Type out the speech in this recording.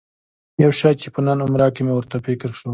یو شی چې په نن عمره کې مې ورته فکر شو.